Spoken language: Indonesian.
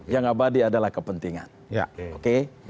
yang abadi adalah kepentingan oke